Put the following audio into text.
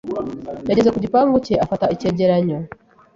yageze ku gipangu cye afata icyegeranyo